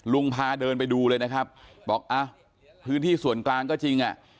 พาเดินไปดูเลยนะครับบอกอ่ะพื้นที่ส่วนกลางก็จริงอ่ะ